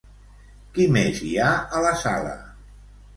Qui més hi ha a la sala?